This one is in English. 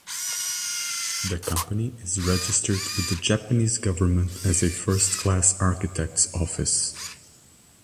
The company is registered with the Japanese government as a First Class Architects Office.